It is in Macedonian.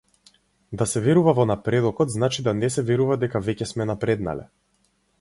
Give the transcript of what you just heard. Да се верува во напредокот значи да не се верува дека веќе сме напреднале.